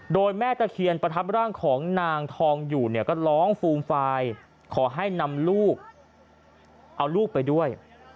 โดยแม่ตะเคียนประทับร่างของนางทองอยู่เนี่ยก็ร้องฟูมฟายขอให้นำลูกเอาลูกไปด้วย